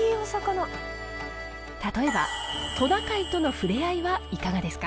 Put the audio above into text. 例えばトナカイとの触れ合いはいかがですか？